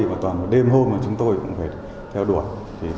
và toàn đêm hôm chúng tôi cũng phải theo đuổi